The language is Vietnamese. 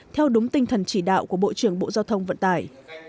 theo đúng tinh thần chỉ đạo của bộ trưởng bộ giao thông vận tải